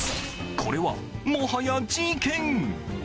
これはもはや、事件！